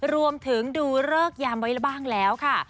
รวมถึงดูเลิกยามไว้บ้างแล้วค่ะ